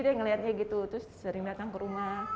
saya melihatnya gitu terus sering datang ke rumah